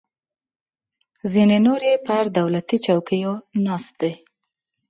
ځینې نور یې پر دولتي چوکیو ناست دي.